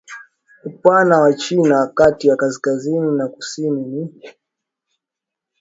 Upana wa China kati ya kaskazini na kusini ni